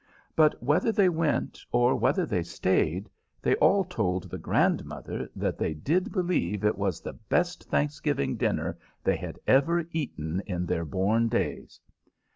But whether they went or whether they stayed, they all told the grandmother that they did believe it was the best Thanksgiving dinner they had ever eaten in their born days.